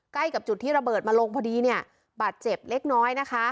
ใกล้กับจุดที่ระเบิดมาลงพอดีเนี่ยบาดเจ็บเล็กน้อยนะคะ